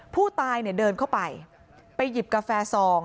ผู้ตายเนี่ยเดินเข้าไปไปหยิบกาแฟซอง